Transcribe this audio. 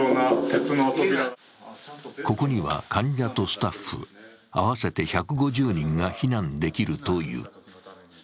ここには患者とスタッフ、合わせて１５０人が避難できるという。